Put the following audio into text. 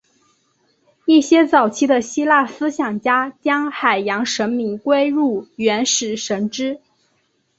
一些早期的希腊思想家将海洋神明归入原始神只。